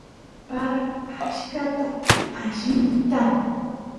paran achkata y allimitan